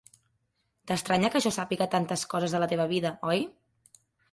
T'estranya que jo sàpiga tantes coses de la teva vida, oi?